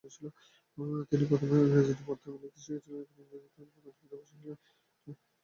তিনি প্রথমে স্কুলে ইংরেজিতে পড়তে এবং লিখতে শিখেছিলেন এবং এর ফলে ইংরেজি তার "সাহিত্য ভাষা" হয়ে উঠেছিল।